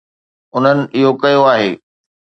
انهن اهو ڪيو آهي.